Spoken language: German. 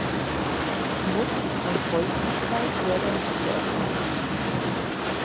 Schmutz und Feuchtigkeit fördern diese Erscheinung.